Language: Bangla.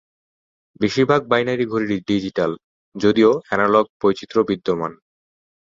বেশিরভাগ বাইনারি ঘড়ি ডিজিটাল, যদিও এনালগ বৈচিত্র্য বিদ্যমান।